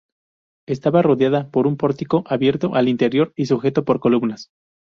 Estaba rodeada por un pórtico abierto al interior y sujeto por columnas.